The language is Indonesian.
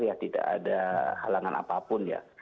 ya tidak ada halangan apapun ya